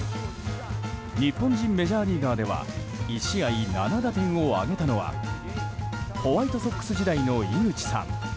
日本人メジャーリーガーでは１試合７打点を挙げたのはホワイトソックス時代の井口さん